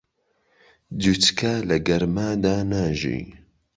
جوچکە لە گەرمادا ناژی.